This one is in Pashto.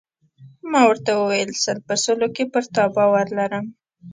ما ورته وویل: سل په سلو کې پر تا باور لرم.